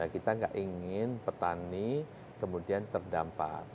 kita nggak ingin petani kemudian terdampak